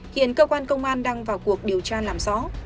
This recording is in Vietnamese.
hiện cơ quan công an đang vào cuộc điều tra làm rõ